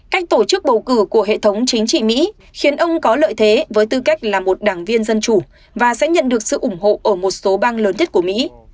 cách tổ chức bầu cử của hệ thống chính trị mỹ khiến ông có lợi thế với tư cách là một đảng viên dân chủ và sẽ nhận được sự ủng hộ ở một số bang lớn nhất của mỹ